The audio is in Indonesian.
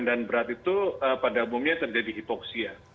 dan berat itu pada umumnya terjadi hipoksia